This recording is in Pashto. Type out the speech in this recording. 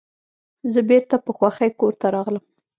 زه بیرته په خوښۍ کور ته راغلم.